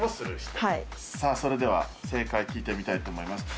それでは正解聞いてみたいと思います。